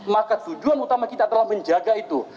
maka tujuan utama kita adalah menjaga itu